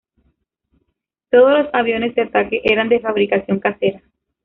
Todos los aviones de ataque eran de fabricación casera.